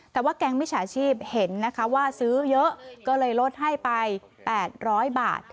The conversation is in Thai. แต่ว่าแก๊งมิจฉาชีพเห็นนะคะว่าซื้อเยอะก็เลยลดให้ไป๘๐๐บาท